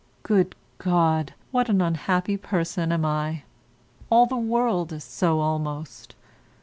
Good God! what an unhappy person am I. All the world is so almost.